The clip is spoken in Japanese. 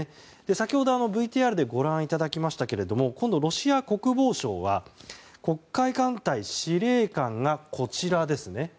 先ほどＶＴＲでご覧いただきましたが今度、ロシア国防省は黒海艦隊司令官はこちらですね。